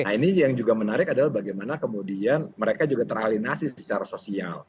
nah ini yang juga menarik adalah bagaimana kemudian mereka juga teralinasi secara sosial